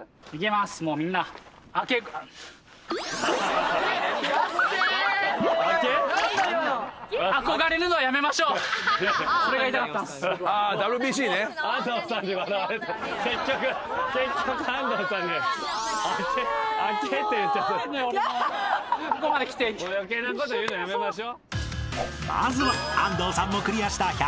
［まずは安藤さんもクリアした１１０ｃｍ］